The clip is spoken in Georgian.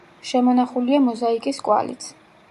შემონახულია მოზაიკის კვალიც.